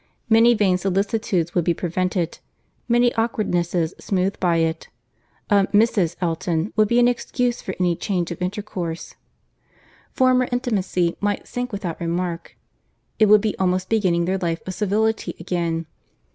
Many vain solicitudes would be prevented—many awkwardnesses smoothed by it. A Mrs. Elton would be an excuse for any change of intercourse; former intimacy might sink without remark. It would be almost beginning their life of civility again.